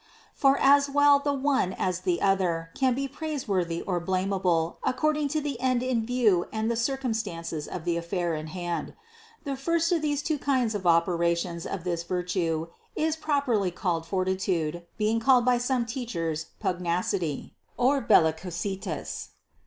For as well the one as the other can be praiseworthy or blamable according to the end in view and the circumstances of the affair in hand. The first of these two kinds of operations of this virtue is properly called fortitude, being called by some teachers pugnacity (bellicositas).